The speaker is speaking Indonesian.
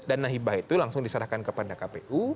jadi dana hibah itu langsung diserahkan kepada kpu